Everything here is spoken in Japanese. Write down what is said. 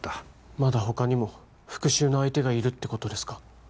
まだ他にも復讐の相手がいるってことですか？